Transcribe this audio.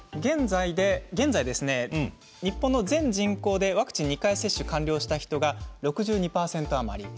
現在、日本の全人口でワクチン２回接種完了した人が６２％余り。